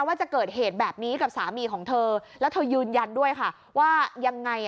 ว่าจะเกิดเหตุแบบนี้กับสามีของเธอแล้วเธอยืนยันด้วยค่ะว่ายังไง